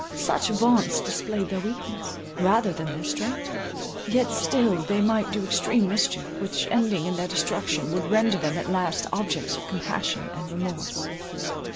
Such vaunts displayed their weakness, rather than their strength—yet still they might do extreme mischief, which, ending in their destruction, would render them at last objects of compassion and remorse.